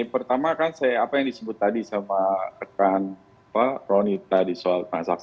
pertama kan saya apa yang disebut tadi sama rekan pak ronita di soal transaksi